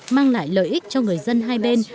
mang lại lợi ích cho người dân hai bên